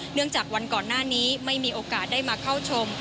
จากวันก่อนหน้านี้ไม่มีโอกาสได้มาเข้าชม